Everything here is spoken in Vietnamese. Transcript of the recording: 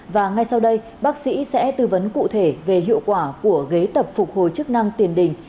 và ngay sau đây bác sĩ sẽ tư vấn cụ thể về hiệu quả của ghế tập phục hồi chức năng tiền đình